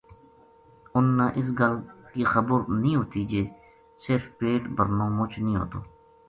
اُنھ نا اس گل خبر نیہہ ہوتی جے صرف پیٹ بھرنو مُچ نیہہ ہوتو